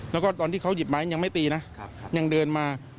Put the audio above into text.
แล้วก็ตอนที่เขาหยิบไม้ยังไม่ตีนะยังเดินมา